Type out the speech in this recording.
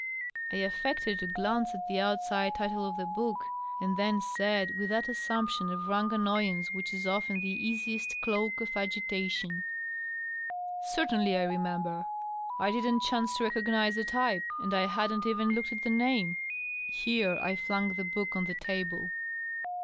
I affected to glance at me outside title of the book, and then said, with that assumption of rank annoyance which is often the easiest cloak for agitation, " Certainly I remember. I didn't chance to recognize the type, and I hadn't even looked at the name." Here I flung the book on the table.